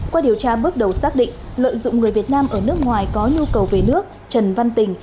qua điều tra bước đầu xác định lợi dụng người việt nam ở nước ngoài có nhu cầu về nước trần văn tình